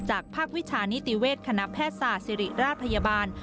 ภาควิชานิติเวชคณะแพทยศาสตร์ศิริราชพยาบาล